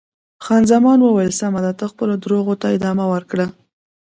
خان زمان وویل: سمه ده، ته خپلو درواغو ته ادامه ورکړه.